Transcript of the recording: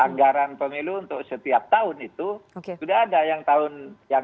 dan saya bilang pak pemilu untuk setiap tahun itu sudah ada yang tahun dua ribu dua puluh